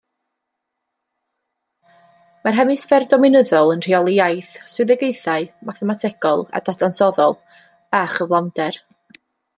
Mae'r hemisffer dominyddol yn rheoli iaith, swyddogaethau mathemategol a dadansoddol, a chyflawnder.